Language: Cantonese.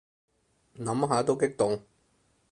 諗下都激動